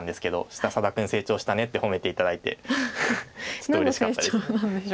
そしたら「佐田君成長したね」って褒めて頂いてちょっとうれしかったです。